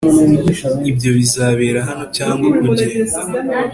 ibyo bizabera hano cyangwa kugenda